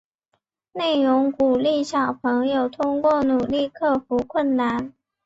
内容鼓励小朋友通过努力克服困难。